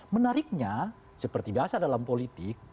menariknya seperti biasa dalam politik